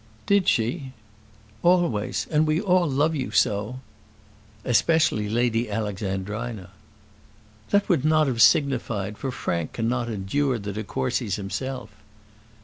"Did she?" "Always. And we all love you so." "Especially Lady Alexandrina." "That would not have signified, for Frank cannot endure the de Courcys himself."